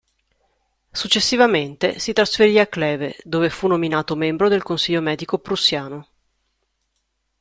Successivamente, si trasferì a Kleve, dove fu nominato membro del consiglio medico prussiano.